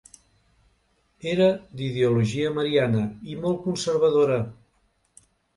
Era d'ideologia mariana i molt conservadora.